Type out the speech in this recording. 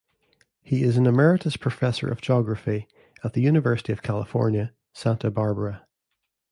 He is an Emeritus Professor of Geography at the University of California, Santa Barbara.